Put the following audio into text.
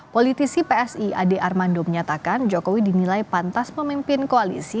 politisi psi ade armando menyatakan jokowi dinilai pantas memimpin koalisi